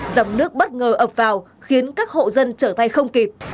dòng nước bất ngờ ập vào khiến các hộ dân trở thay không kịp